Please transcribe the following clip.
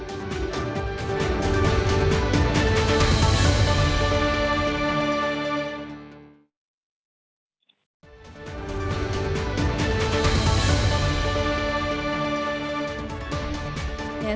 sebelum kami lanjutkan dialog